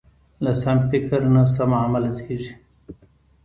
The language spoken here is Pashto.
له سم فکر نه سم عمل زېږي.